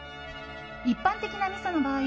一般的なみその場合